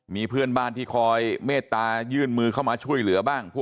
มีเพื่อนบ้านที่คอยเมตตายื่นมือเข้ามาช่วยเหลือบ้าง